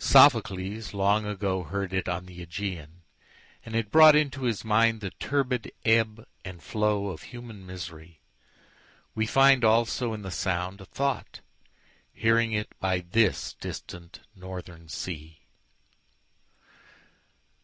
Sophocles long agoHeard it on the Ægæan, and it broughtInto his mind the turbid ebb and flowOf human misery; weFind also in the sound a thought, Hearing it by this distant northern sea.